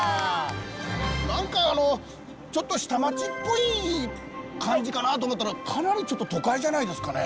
何かあのちょっと下町っぽい感じかなと思ったらかなりちょっと都会じゃないですかね。